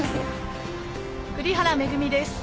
栗原恵です